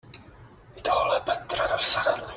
It all happened rather suddenly.